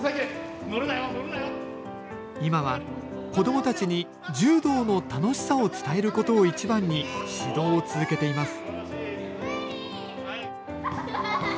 今は、子どもたちに柔道の楽しさを伝えることを一番に指導を続けています。